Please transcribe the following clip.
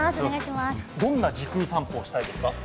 どんな時空散歩をしたいですか？